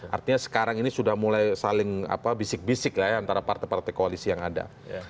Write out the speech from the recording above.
artinya sekarang ini sudah mulai saling bisik bisik lah ya antara partai partai koalisi yang ada